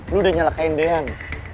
lu udah nyalahkain dean